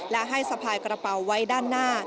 และให้สะพายกระเป๋าไว้ด้านหน้า